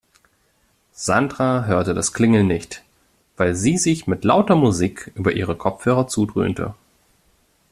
Sandra hörte das Klingeln nicht, weil sie sich mit lauter Musik über ihre Kopfhörer zudröhnte.